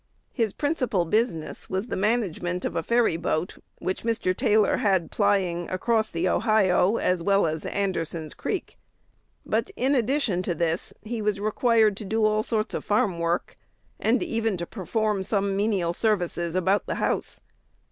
His principal business was the management of a ferry boat which Mr. Taylor had plying across the Ohio, as well as Anderson's Creek. But, in addition to this, he was required to do all sorts of farm work, and even to perform some menial services about the house.